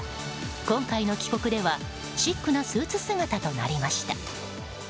今回の帰国ではシックなスーツ姿となりました。